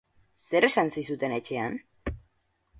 Zer esan zizuten etxean?